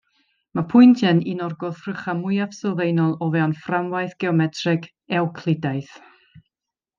Mae pwyntiau yn un o'r gwrthrychau mwyaf sylfaenol o fewn fframwaith geometreg Ewclidaidd.